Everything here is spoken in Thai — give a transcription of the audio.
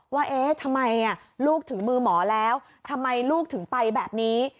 ว่าเอ๊ะทำไมลูกถึงมือหมอแล้วทำไมลูกถึงไปแบบนี้